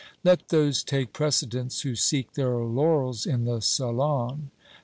Let those take precedence who seek their laurels in the salon.